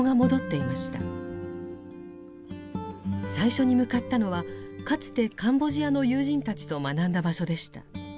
最初に向かったのはかつてカンボジアの友人たちと学んだ場所でした。